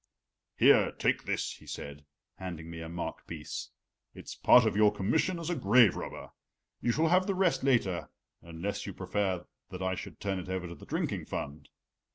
"Here, take this," he said, handing me a mark piece; "it's part of your commission as grave robber. You shall have the rest later, unless you prefer that I should turn it over to the drinking fund."